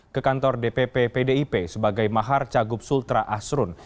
ke kantor dpp pdip sebagai mahar cagup sultra asrun